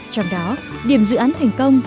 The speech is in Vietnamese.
trong đó điểm dự án thành công